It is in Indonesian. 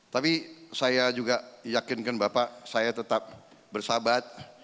tapi saya juga yakinkan bapak saya tetap bersahabat